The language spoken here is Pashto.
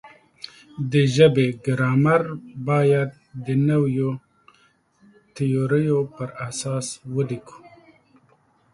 د ژبې ګرامر باید د نویو تیوریو پر اساس ولیکو.